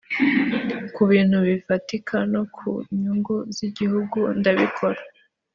ku bintu bifatika no ku nyungu z’igihugu ndabikora